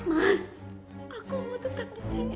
mas aku mau tetap disini